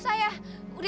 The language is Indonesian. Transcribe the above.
kalau kita bisa